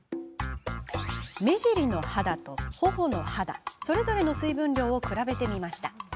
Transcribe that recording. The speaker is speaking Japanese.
目尻の肌と頬の肌、それぞれの水分量を比べてみました。